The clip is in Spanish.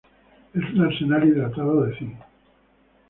Es un arseniato hidratado de cinc.